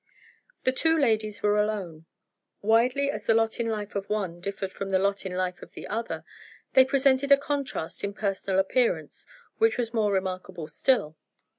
The two ladies were alone. Widely as the lot in life of one differed from the lot in life of the other, they presented a contrast in personal appearance which was more remarkable still.